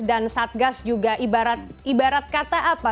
dan satgas juga ibarat kata apa